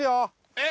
えっ？